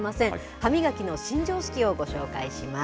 歯磨きの新常識をご紹介します。